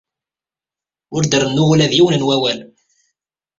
Ur d-rennuɣ ula d yiwen n wawal.